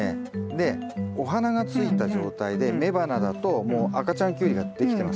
でお花がついた状態で雌花だともう赤ちゃんキュウリができてますんで。